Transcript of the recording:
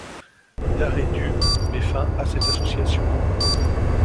L'arrêté du met fin à cette association.